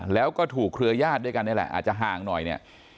แล้วก็ถูกเครือญาติด้วยกันนี่แหละอาจจะห่างหน่อยเนี่ย